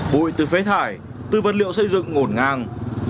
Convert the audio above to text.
bùi từ phế thải từ vật liệu xây dựng ổn ngang